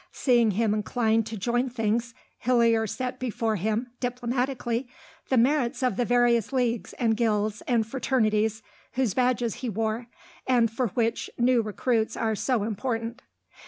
Seeing him inclined to join things, Hillier set before him, diplomatically, the merits of the various Leagues and Guilds and Fraternities whose badges he wore, and for which new recruits are so important.